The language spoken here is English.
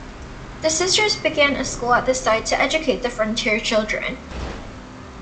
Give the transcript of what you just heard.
The sisters began a school at the site to educate the frontier children.